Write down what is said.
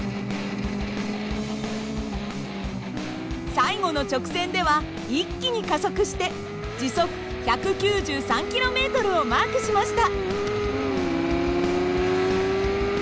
最後の直線では一気に加速して時速１９３ｋｍをマークしました。